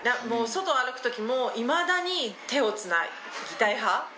もう外歩くときもいまだに手をつなぎたい派。